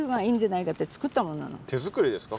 手作りですか？